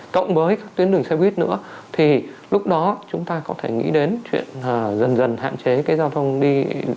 cộng với các tuyến đường xe buýt nữa thì lúc đó chúng ta có thể nghĩ đến chuyện dần dần hạn chế cái giao thông đi